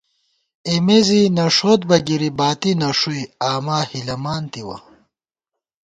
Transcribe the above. اېمےزی نَݭوت بہ گِری باتی نݭُوئی، آماہِلَمان تِوَہ